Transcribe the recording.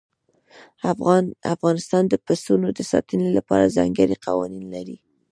افغانستان د پسونو د ساتنې لپاره ځانګړي قوانين لري.